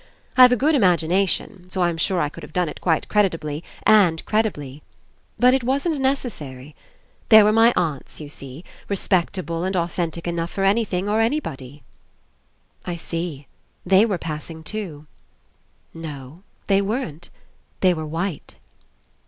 I've a good imagination, so I'm sure I could have done it quite creditably, and credibly. But it wasn't necessary. There were my aunts, you see, respectable and authentic enough for any thing or anybody." "I see. They were 'passing' too." "No. They weren't. They were white."